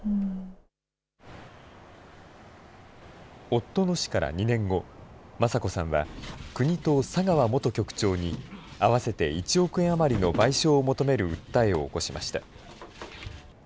夫の死から２年後、雅子さんは、国と佐川元局長に合わせて１億円余りの賠償を求める訴えを起こしました。